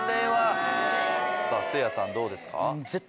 せいやさんどうですか？